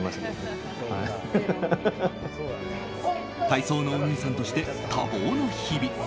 体操のお兄さんとして多忙な日々。